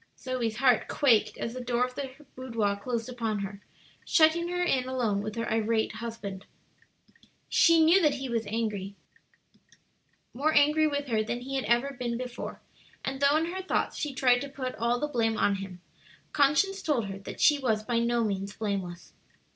Zoe's heart quaked as the door of her boudoir closed upon her, shutting her in alone with her irate husband. She knew that he was angry, more angry with her than he had ever been before, and though in her thoughts she tried to put all the blame on him, conscience told her that she was by no means blameless.